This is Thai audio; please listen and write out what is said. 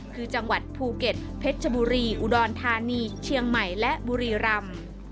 คือจังหวัดภูเก็ตเพชรชบุรีอุดรธานีเชียงใหม่และบุรีรำ